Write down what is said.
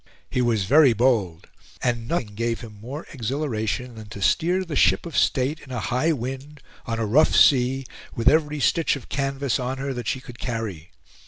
He was very bold; and nothing gave him more exhilaration than to steer the ship of state in a high wind, on a rough sea, with every stitch of canvas on her that she could carry.